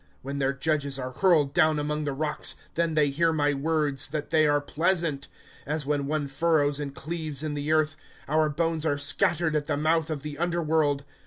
^ When their judges are hurled down among the rocks, Then they hear my words, that they are pleasant. ' As when one furrows and cleaves in the earth, Our bones are scattered at the nioutli of the underworld.